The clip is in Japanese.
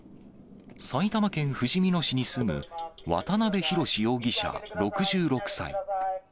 埼玉県ふじみ野市に住む渡辺宏容疑者６６歳。